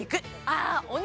ああお肉！